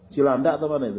cilanda atau mana itu ya